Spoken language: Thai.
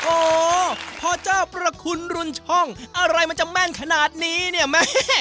โอ้โหพอเจ้าประคุณรุนช่องอะไรมันจะแม่นขนาดนี้เนี่ยแม่